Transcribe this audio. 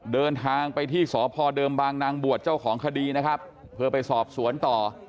เดินทางไปที่สพเดิมบางนางบวชเจ้าของคดีนะครับเพื่อไปสอบสวนต่อ